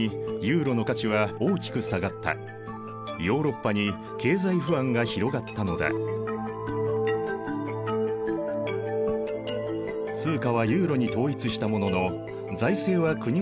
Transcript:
通貨はユーロに統一したものの財政は国ごとだった。